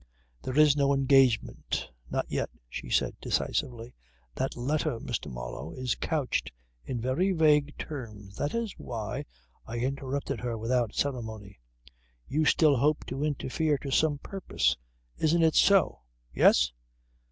"There is no engagement not yet," she said decisively. "That letter, Mr. Marlow, is couched in very vague terms. That is why " I interrupted her without ceremony. "You still hope to interfere to some purpose. Isn't it so? Yes?